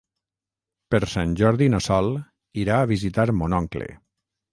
Per Sant Jordi na Sol irà a visitar mon oncle.